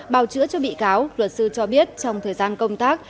bào chữa cho bị cáo luật sư cho biết trong thời gian công tác